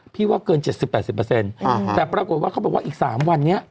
พี่ว่าเกินเจ็ดสิบแปดสิบเปอร์เซ็นต์อ่าแต่ปรากฏว่าเขาบอกว่าอีกสามวันเนี้ย